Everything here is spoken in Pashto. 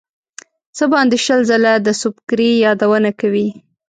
څه باندې شل ځله د سُبکري یادونه کوي.